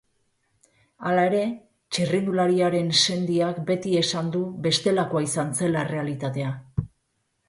Hala ere, txirrindulariaren sendiak beti esan du bestelakoa izan zela errealitatea.